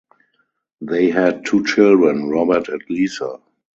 They had two children, Robert and Lisa.